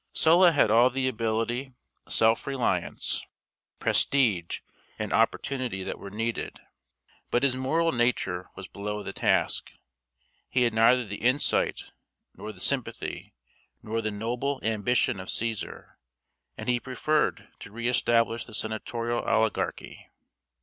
Sulla had all the ability, self reliance, prestige, and opportunity that were needed. But his moral nature was below the task. He had neither the insight, nor the sympathy, nor the noble ambition of Cæsar, and he preferred to re establish the senatorial oligarchy.